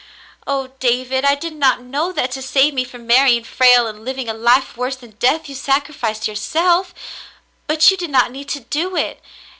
"Oh, David ! I did not know that to save me from marrying Frale and living a life worse than death you sacrificed yourself. But you did not need to do it.